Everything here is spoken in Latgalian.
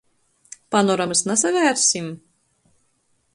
Panoramys nasavērsim?